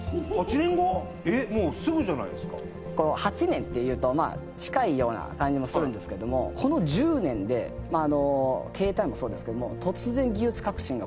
８年っていうと近いような感じもするんですけれどもこの１０年でまあ携帯もそうですけれども突然技術革新がこう。